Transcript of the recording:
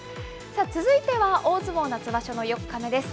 さあ、続いては大相撲夏場所の４日目です。